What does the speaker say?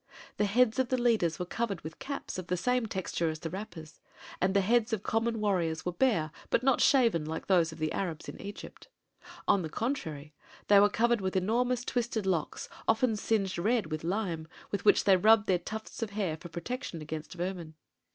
The heads of the leaders were covered with caps of the same texture as the wrappers, and the heads of common warriors were bare, but not shaven like those of the Arabs in Egypt. On the contrary, they were covered with enormous twisted locks, often singed red with lime, with which they rubbed their tufts of hair for protection against vermin.